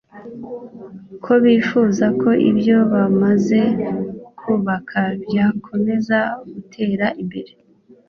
ko bifuza ko ibyo bamaze kubaka byakomeza gutera imbere